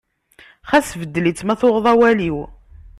Xas beddel-itt ma tuɣeḍ awal-iw.